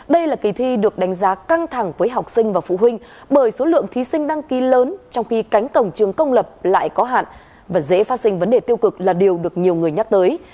đây là kỳ thi được đánh giá căng thẳng với học sinh và phụ huynh bởi số lượng thí sinh đăng ký lớn trong khi cánh cổng trường công lập lại có hạn và dễ phát sinh vấn đề tiêu cực là điều được nhiều người nhắc tới